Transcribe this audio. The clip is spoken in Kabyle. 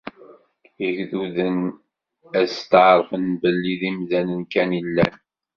Igduden ad setɛeṛfen belli d imdanen kan i llan.